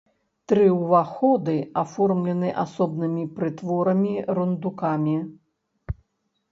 Тры ўваходы аформлены асобнымі прытворамі-рундукамі.